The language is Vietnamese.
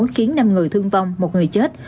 khiến năm người thương vong một người chết